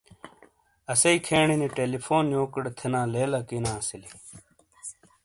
اَسیئ کھینی نی ٹیلیفون یو کیڑے تھینا لیل اَکی نے اَسیلی۔